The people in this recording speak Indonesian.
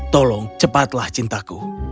tolong cepatlah cintaku